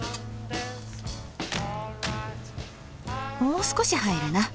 もう少し入るな。